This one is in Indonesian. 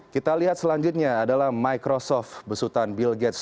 kita lihat selanjutnya adalah microsoft besutan bill gates